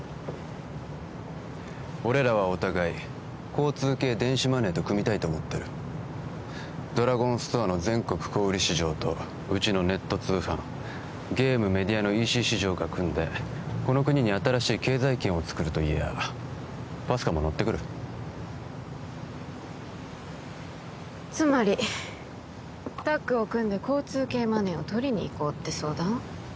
俺らはお互い交通系電子マネーと組みたいと思ってるドラゴンストアの全国小売市場とうちのネット通販ゲームメディアのＥＣ市場が組んでこの国に新しい経済圏をつくると言やＰＡＳＣＡも乗ってくるつまりタッグを組んで交通系マネーを取りにいこうって相談？